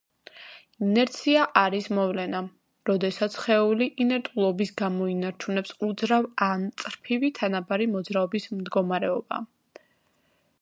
ინერცია არის მოვლენა, როდესაც სხეული ინერტიულობის გამო ინარჩუნებს უძრავ ან წრფივი თანაბარი მოძრაობის მდგომარეობაა.